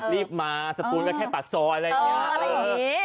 รีบมาสตูนก็แค่ปากซอยอะไรอย่างนี้